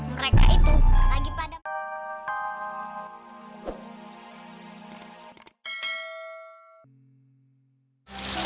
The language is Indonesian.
mereka itu lagi pada main sendiri